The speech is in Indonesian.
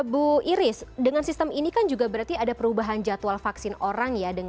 bu iris dengan sistem ini kan juga berarti ada perubahan jadwal vaksin orang ya